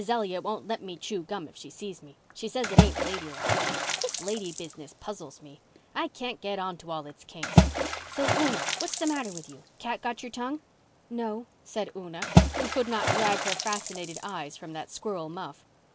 Elliott won't let me chew gum if she sees me. She says it ain't lady like. This lady business puzzles me. I can't get on to all its kinks. Say, Una, what's the matter with you? Cat got your tongue?" "No," said Una, who could not drag her fascinated eyes from that squirrel muff.